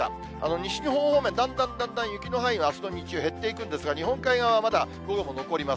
西日本方面、だんだんだんだん雪の範囲があすの日中、減っていくんですが、日本海側はまだ午後も残ります。